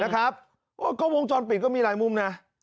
ก็วงจรปิดก็มีหลายมุมนะ